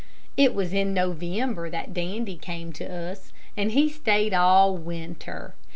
It was in November that Dandy came to us, and he stayed all winter.